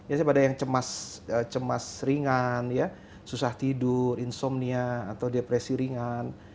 biasanya pada yang cemas ringan ya susah tidur insomnia atau depresi ringan